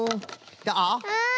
あっ！